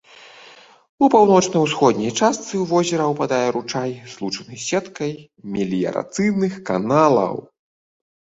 У паўночна-ўсходняй частцы ў возера ўпадае ручай, злучаны з сеткай меліярацыйных каналаў.